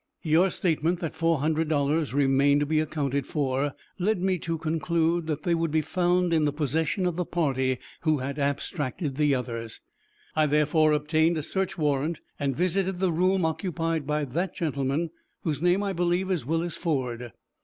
"Your statement that four hundred dollars remained to be accounted for, led me to conclude that they would be found in the possession of the party who had abstracted the others. I therefore obtained a search warrant and visited the room occupied by that gentleman, whose name I believe is Willis Ford."